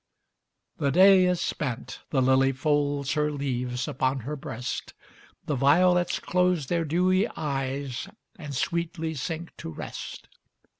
The day is spent, the lily folds Her leaves upon her breast; The violets close their dewy eyes And sweetly sink to rest.